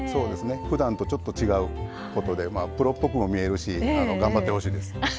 ふだんとちょっと違うことでプロっぽくも見えるし頑張ってほしいです。